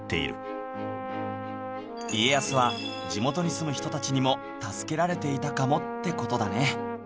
家康は地元に住む人たちにも助けられていたかもって事だね